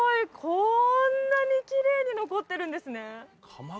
こんなにきれいに残ってるんですね